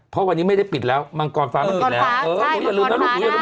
เพราะวันนี้ไม่ได้ปิดแล้วมังกรฟ้ามังกรฟ้าใช่มังกรฟ้าได้